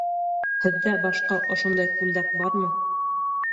Һеҙҙә башҡа ошондай күлдәк бармы?